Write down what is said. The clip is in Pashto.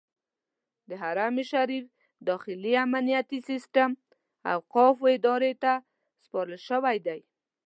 د حرم شریف داخلي امنیتي سیستم اوقافو ادارې ته سپارل شوی دی.